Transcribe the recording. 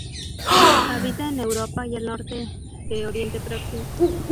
Habita en Europa y el norte de Oriente Próximo.